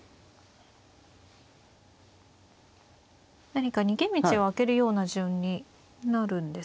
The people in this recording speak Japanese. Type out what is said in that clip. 何か逃げ道をあけるような順になるんですか。